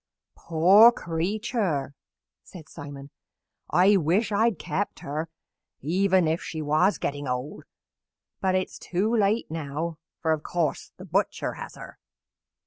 "Poor creature!" said Simon. "I wish I had kept her even if she was getting old; but it is too late now, for, of course, the butcher has her."